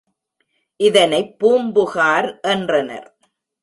இதனைப் பூம்புகார் என்றனர்.